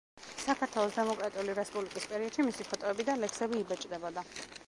საქართველოს დემოკრატიული რესპუბლიკის პერიოდში მისი ფოტოები და ლექსები იბეჭდებოდა.